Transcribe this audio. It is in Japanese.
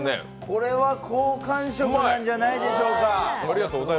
これは好感触なんじゃないでしょうか。